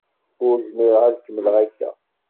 Ur zmireɣ ad kemmleɣ akka.